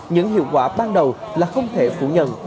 những hiệu quả ban đầu là không thể phủ nhận